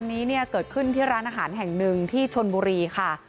นี้เนี่ยเกิดขึ้นที่ร้านอาหารแห่งหนึ่งที่ชนบุรีค่ะ